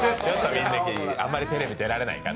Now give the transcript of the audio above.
あんまりテレビ出られないかな。